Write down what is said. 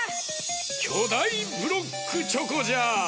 きょだいブロックチョコじゃ！